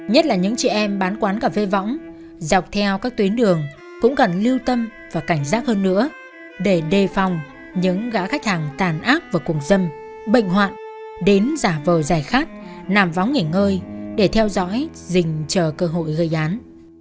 nhất là những chị em bán quán cà phê võng dọc theo các tuyến đường cũng cần lưu tâm và cảnh giác hơn nữa để đề phòng những gã khách hàng tàn ác và cùng dâm bệnh đến giả vờ giải khát nằm vóng nghỉ ngơi để theo dõi dình chờ cơ hội gây án